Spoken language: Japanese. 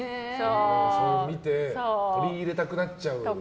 それを見て取り入れたくなっちゃう？